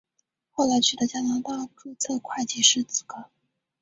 后来取得加拿大注册会计师资格。